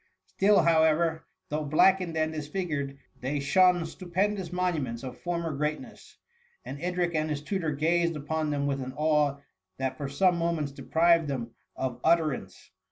Still, however, though black ened and disfigured, they shone stupendous monuments of former greatness; and Edric and his tutor gazed upon them with an awe that for some moments deprived them of ut terance.